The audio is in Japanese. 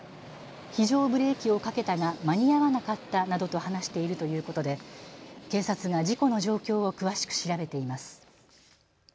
非常ブレーキをかけたが間に合わなかったと話しているということで警察が事故の状況を詳しく調べています。